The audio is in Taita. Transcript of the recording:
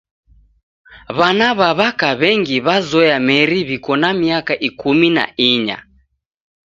W'ana w'a w'aka w'engi w'azoya meri w'iko na miaka ikumi na inya.